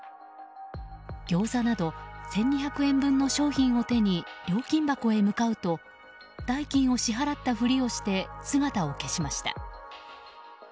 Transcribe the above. ギョーザなど１２００円分の商品を手に料金箱へ向かうと代金を支払ったふりをして姿を消しました。